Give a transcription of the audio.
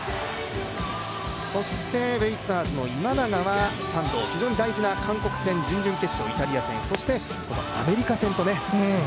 そしてベイスターズの今永は３度、非常に大事な韓国戦準々決勝、イタリア戦そして、アメリカ戦とね。